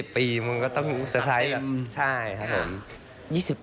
ปีมันก็ต้องเซอร์ไพรส์ใช่ครับผม